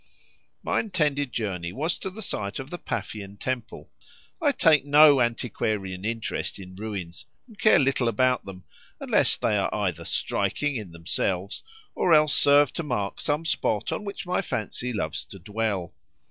My intended journey was to the site of the Paphian temple. I take no antiquarian interest in ruins, and care little about them, unless they are either striking in themselves, or else serve to mark some spot on which my fancy loves to dwell.